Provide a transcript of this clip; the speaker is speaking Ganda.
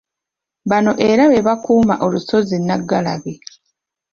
Bano era be bakuuma olusozi Nnaggalabi.